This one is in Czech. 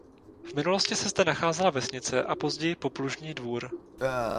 V minulosti se zde nacházela vesnice a později poplužní dvůr.